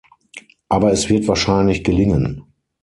Aber es wird wahrscheinlich gelingen.